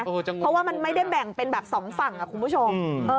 เพราะว่ามันไม่ได้แบ่งเป็นแบบสองฝั่งคุณผู้ชม